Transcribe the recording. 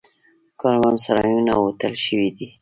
کاروانسرایونه هوټل شوي دي.